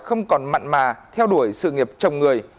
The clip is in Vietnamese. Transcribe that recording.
không còn mặn mà theo đuổi sự nghiệp chồng người